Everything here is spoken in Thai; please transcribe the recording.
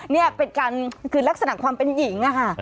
นี่เป็นการคือลักษณะความเป็นหญิงอะค่ะ